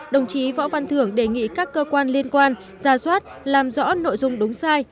đồng chí võ văn thưởng đề nghị các cơ quan liên quan ra soát làm rõ nội dung đúng sai